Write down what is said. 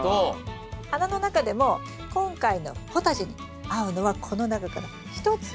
花の中でも今回のポタジェに合うのはこの中から１つ。